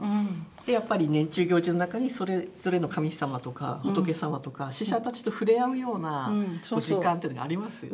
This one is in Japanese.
やっぱり年中行事の中にそれぞれの神様とか仏様とか死者たちと触れ合うような時間っていうのがありますよね。